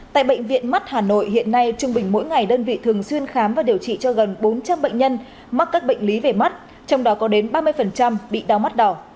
tại bệnh viện mắt hà nội hiện nay trung bình mỗi ngày đơn vị thường xuyên khám và điều trị cho gần bốn trăm linh bệnh nhân mắc các bệnh lý về mắt trong đó có đến ba mươi bị đau mắt đỏ